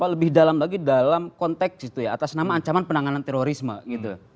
lebih dalam lagi dalam konteks itu ya atas nama ancaman penanganan terorisme gitu